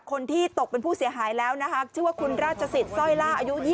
คนที่ตกเป็นผู้เสียหายแล้วนะฮะ